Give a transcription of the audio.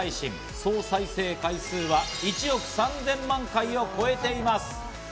総再生回数は１億３０００万回を超えています。